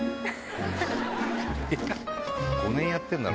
５年やってんだろ！